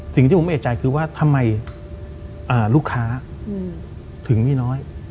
สิ่งที่ผมเอกใจคือว่าทำไมลูกค้าถึงไม่น้อย